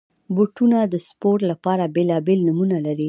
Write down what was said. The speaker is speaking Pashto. بوټونه د سپورټ لپاره بېلابېل نومونه لري.